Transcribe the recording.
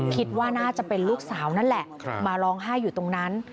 คิดว่าน่าจะเป็นลูกสาวนั่นแหละมาร้องไห้อยู่ตรงนั้น